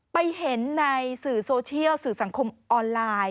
ไปเห็นในสื่อโซเชียลสื่อสังคมออนไลน์